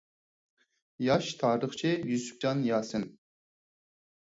ياش تارىخچى يۈسۈپجان ياسىن.